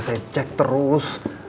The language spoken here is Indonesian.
saya cek terus